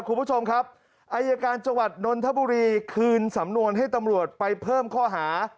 คุณผู้ชมครับอายการจังหวัดนนทบุรีคืนสำนวนให้ตำรวจไปเพิ่มข้อหา